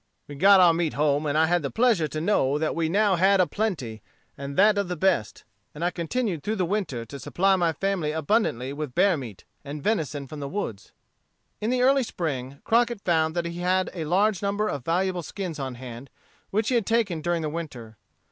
"We got our meat home, and I had the pleasure to know that we now had a plenty, and that of the best; and I continued through the winter to supply my family abundantly with bear meat, and venison from the woods." In the early spring, Crockett found that he had a large number of valuable skins on hand, which he had taken during the winter.